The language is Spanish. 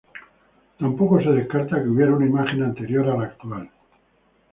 Tampoco se descarta que hubiera una imagen anterior a la actual.